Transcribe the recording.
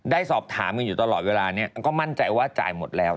ได้สอบถามกันอยู่ตลอดเวลานี้ก็มั่นใจว่าจ่ายหมดแล้ว